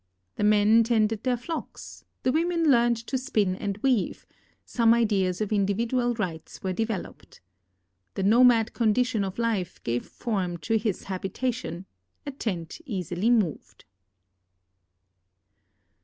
The men tended their flocks ; the women learned to spin and weave ; some ideas of individual rights were developed. The nomad condition of life gave form to his habitation — a tent easily moved.